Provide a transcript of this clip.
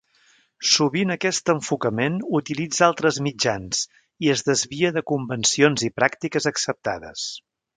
Sovint aquest enfocament utilitza altres mitjans i es desvia de convencions i pràctiques acceptades.